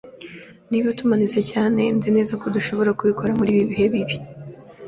Niba tumanitse cyane, nzi neza ko dushobora kubikora muri ibi bihe bibi.